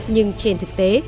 nhưng trên thực tế